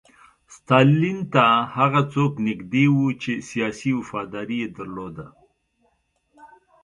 ستالین ته هغه څوک نږدې وو چې سیاسي وفاداري یې درلوده